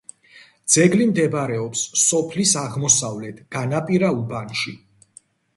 ძეგლი მდებარეობს სოფლის აღმოსავლეთ განაპირა უბანში.